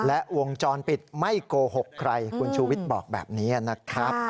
และวงจรปิดไม่โกหกใครคุณชูวิทย์บอกแบบนี้นะครับ